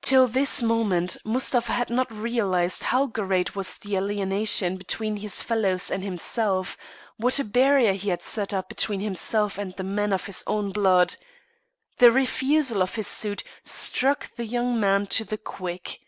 Till this moment Mustapha had not realised how great was the alienation between his fellows and himself what a barrier he had set up between himself and the men of his own blood. The refusal of his suit struck the young man to the quick.